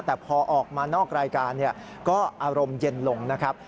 แต่พอออกมานอกรายการก็อารมณ์เย็นลงนะครับ